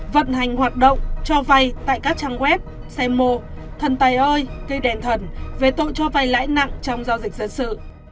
vận hành hoạt động cho vay tại các trang web xe mô thần tài ơi cây đèn thần về tội cho vay lãi nặng trong giao dịch dân sự